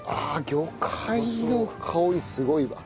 魚介の香りすごいわ！